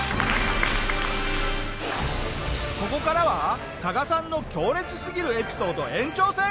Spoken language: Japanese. ここからは加賀さんの強烈すぎるエピソード延長戦！